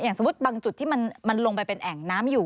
สมมุติบางจุดที่มันลงไปเป็นแอ่งน้ำอยู่